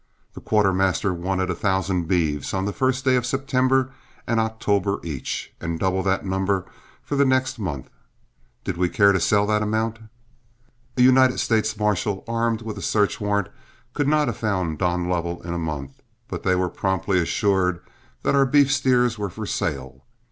The quartermaster wanted a thousand beeves on the first day of September and October each, and double that number for the next month. Did we care to sell that amount? A United States marshal, armed with a search warrant, could not have found Don Lovell in a month, but they were promptly assured that our beef steers were for sale.